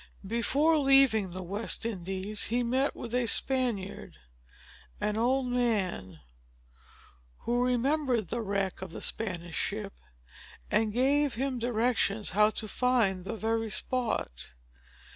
Before leaving the West Indies, he met with a Spaniard, an old man, who remembered the wreck of the Spanish ship, and gave him directions how to find the very spot.